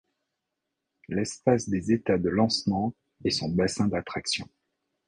L’espace des états de lancement est son bassin d’attraction.